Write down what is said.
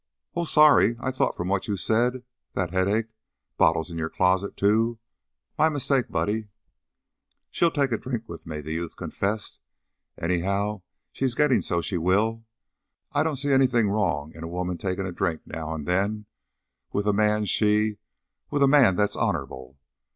"Oh! Sorry! I thought from what you said that headache bottles in your closet, too! My mistake, Buddy." "She'll take a drink, with me," the youth confessed. "Anyhow, she's gettin' so she will. I don't see anything wrong in a woman takin' a drink now an' then with a man she with a man that's honorable."